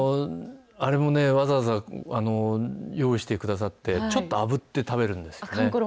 あれもね、わざわざ用意してくださって、ちょっとあぶって食かんころ餅ですか。